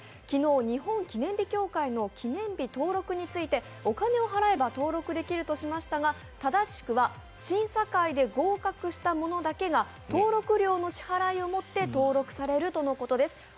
昨日、日本記念日協会の記念日登録について、お金を払えば登録できるとしましたが正しくは審査会で合格したものだけが登録料の支払いを持って登録されるとのことです。